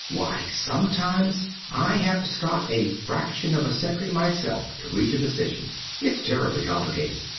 Why, sometimes I have to stop a fraction of a century myself to reach a decision. It's terribly complicated.